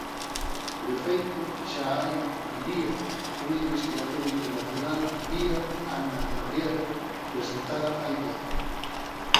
De feito, xa hai, diría, unha investigación internacional vía Anna Gabriel presentada hai tempo.